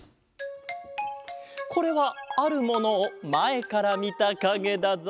これはあるものをまえからみたかげだぞ。